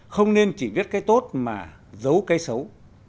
không nên chỉ viết cái tốt mà giấu cái xấu